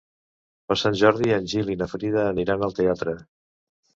Per Sant Jordi en Gil i na Frida aniran al teatre.